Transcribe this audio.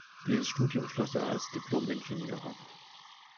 Dieses Studium schloss er als Diplom-Ingenieur ab.